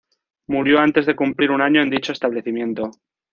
Murió antes de cumplir un año en dicho establecimiento.